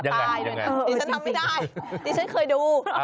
ดิฉันทำไม่ได้ดิฉันเคยดู